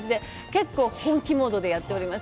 結構、本気モードでやっております。